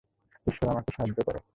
ঈশ্বর আমাকে সাহায্য করো!